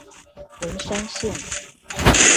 文山線